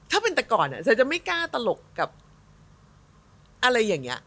ถ้าเป็นแต่ก่อนเธอจะไม่กล้าตลกกับอะไรอย่างนี้